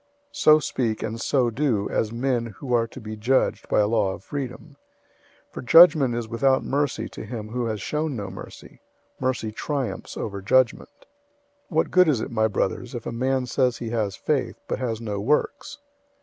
002:012 So speak, and so do, as men who are to be judged by a law of freedom. 002:013 For judgment is without mercy to him who has shown no mercy. Mercy triumphs over judgment. 002:014 What good is it, my brothers, if a man says he has faith, but has no works?